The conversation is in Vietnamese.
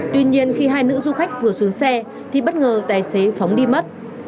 tuy nhiên khi hai nữ du khách vừa xuống xe thì bất ngờ tài xế phóng đi mất